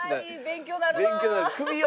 勉強になるわ。